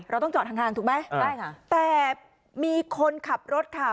เราต้องจอดห่างถูกไหมใช่ค่ะแต่มีคนขับรถค่ะ